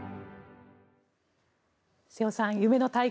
瀬尾さん、夢の対決